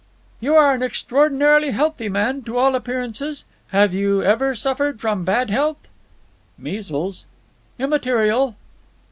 "You are an extraordinarily healthy man, to all appearances. Have you ever suffered from bad health?" "Measles." "Immaterial."